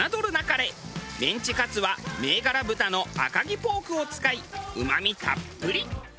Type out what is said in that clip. メンチカツは銘柄豚の赤城ポークを使いうまみたっぷり。